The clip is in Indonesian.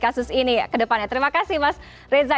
kasus ini ke depannya terima kasih mas reza